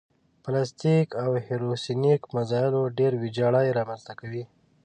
بلاستیک او هیپرسونیک مزایلونه ډېره ویجاړي رامنځته کوي